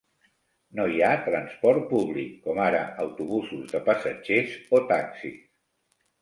No hi ha transport públic, com ara autobusos de passatgers o taxis.